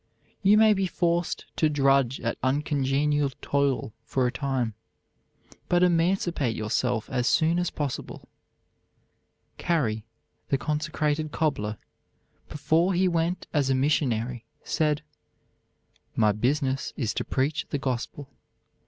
You may be forced to drudge at uncongenial toil for a time, but emancipate yourself as soon as possible. Carey, the "Consecrated Cobbler," before he went as a missionary said: "My business is to preach the gospel.